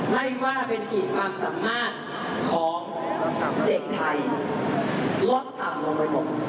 ไม่ว่าเป็นขีดความสามารถของเด็กไทย